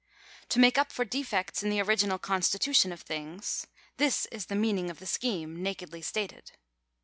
To make up for defects in the original constitu tion of things — this is the meaning of the scheme, nakedly stated.